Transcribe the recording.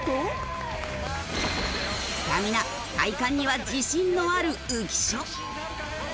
スタミナ体幹には自信のある浮所。